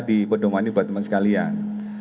di pedomani buat teman sekalian